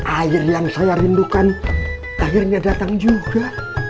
air yang saya rindukan akhirnya datang juga